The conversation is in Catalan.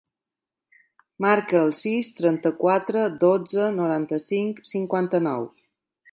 Marca el sis, trenta-quatre, dotze, noranta-cinc, cinquanta-nou.